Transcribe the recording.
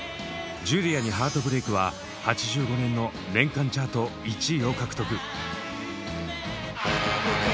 「ジュリアに傷心」は８５年の年間チャート１位を獲得。